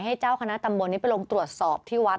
ให้เจ้าคณะตำบลไปตรวจสอบที่วัด